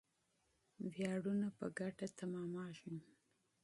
افتخارات په ګټه تمامیږي.